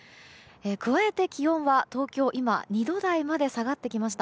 加えて気温は、今、東京は２度台まで下がってきました。